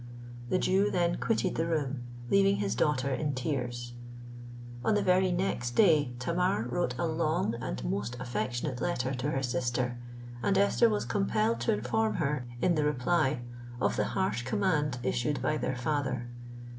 "—The Jew then quitted the room, leaving his daughter in tears. On the very next day Tamar wrote a long and most affectionate letter to her sister; and Esther was compelled to inform her, in the reply, of the harsh command issued by their father.